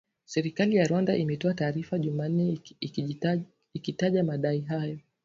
Serikali ya Rwanda imetoa taarifa jumanne ikitaja madai hayo